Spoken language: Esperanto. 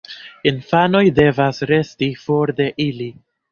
Infanoj devas resti for de ili.